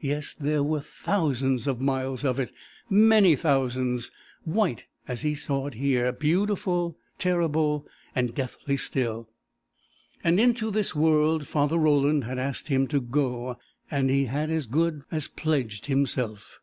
Yes, there were thousands of miles of it, many thousands; white, as he saw it here; beautiful, terrible, and deathly still. And into this world Father Roland had asked him to go, and he had as good as pledged himself!